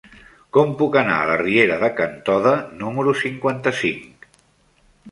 Com puc anar a la riera de Can Toda número cinquanta-cinc?